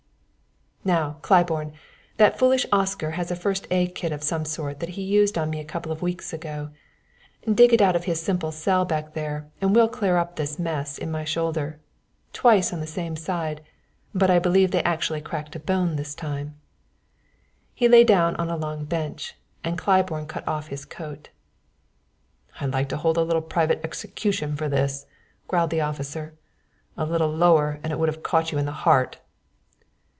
"Now, Claiborne, that foolish Oscar has a first aid kit of some sort that he used on me a couple of weeks ago. Dig it out of his simple cell back there and we'll clear up this mess in my shoulder. Twice on the same side, but I believe they actually cracked a bone this time." He lay down on a long bench and Claiborne cut off his coat. "I'd like to hold a little private execution for this," growled the officer. "A little lower and it would have caught you in the heart."